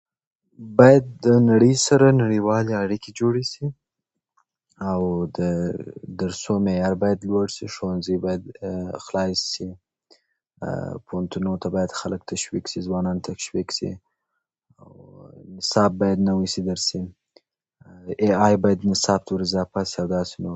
باید د نړۍ سره نړیوالې اړيکې جوړې شي، او د درسو معیار باید لوړ شي. ښوونځي باید خلاصې شي، پوهنتونونو ته باید خلک تشویق شي، ځوانان تشویق شي، نصاب باید نوی شي، درسي اې ای باید نصاب ته وراضافه شي، او داسې نور.